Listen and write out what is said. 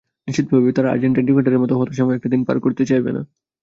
নিশ্চিতভাবেই তারা আর্জেন্টাইন ডিফেন্ডারদের মতো হতাশাময় একটা দিন পার করতে চাইবে না।